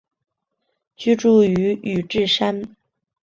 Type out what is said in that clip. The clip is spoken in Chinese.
居住于宇治山。